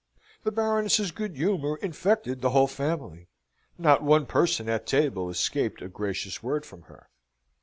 The Baroness's good humour infected the whole family; not one person at table escaped a gracious word from her.